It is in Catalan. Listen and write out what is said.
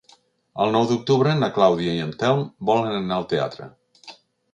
El nou d'octubre na Clàudia i en Telm volen anar al teatre.